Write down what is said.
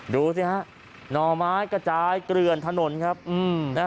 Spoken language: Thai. ดูว่าเนี่ยนะฮะหน่อไม้กระจายเกลื่อนถนนนะฮะ